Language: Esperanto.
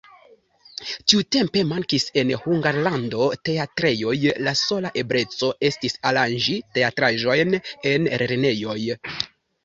Tiutempe mankis en Hungarlando teatrejoj, la sola ebleco estis aranĝi teatraĵojn en lernejoj.